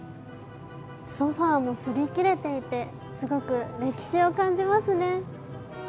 ソファーもすり切れていてすごく歴史を感じますね。